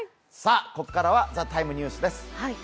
ここからは「ＴＨＥＴＩＭＥ，」ニュースです。